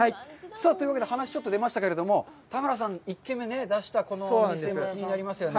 さあ、というわけで、話がちょっと出ましたけれども、田村さん、１軒目に出したこのお店、気になりますよね。